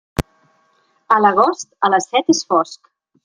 A l'agost, a les set és fosc.